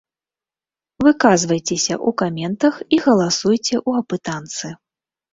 Выказвайцеся ў каментах і галасуйце ў апытанцы.